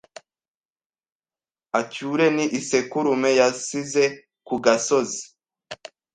acyure n'isekurume yasize kugasozi